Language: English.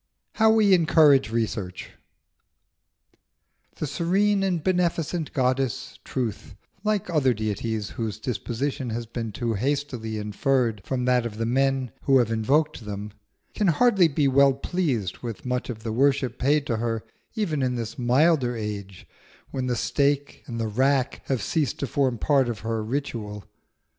HOW WE ENCOURAGE RESEARCH. The serene and beneficent goddess Truth, like other deities whose disposition has been too hastily inferred from that of the men who have invoked them, can hardly be well pleased with much of the worship paid to her even in this milder age, when the stake and the rack have ceased to form part of her ritual.